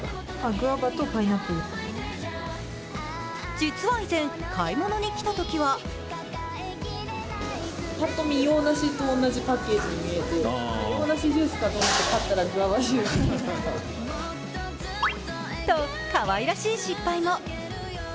実は以前、買い物に来たときはと、かわいらしい失敗も。